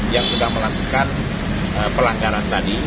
yang sudah melakukan pelanggaran tadi